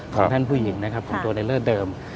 ของท่านผู้หญิงนะครับของตัวในเลิศเดิม